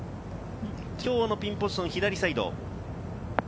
きょうのピンポジション、左サイド。